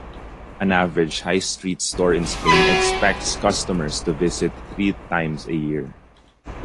An average high-street store in Spain expects customers to visit three times a year.